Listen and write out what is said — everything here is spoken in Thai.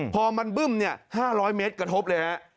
พอมันบึ้ม๕๐๐เมตรกระทบเลยฮะ